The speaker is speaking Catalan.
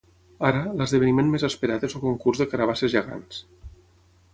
Ara, l’esdeveniment més esperat és el concurs de carabasses gegants.